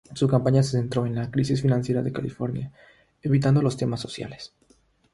Su campaña se centró en la crisis financiera de California, evitando los temas sociales.